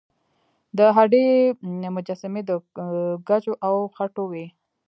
د هډې مجسمې د ګچو او خټو وې